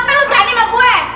kenapa lo berani sama gue